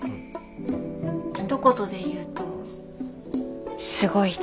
ひと言で言うとすごい人です。